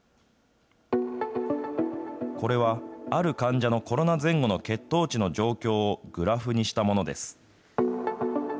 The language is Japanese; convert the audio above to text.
これは、ある患者のコロナ前後の血糖値の状況をグラフにしたものです。